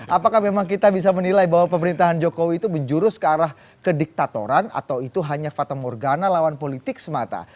apakah memang kita bisa menilai bahwa pemerintahan jokowi itu menjurus ke arah ke diktatoran atau itu hanya fata morgana lawan politik semata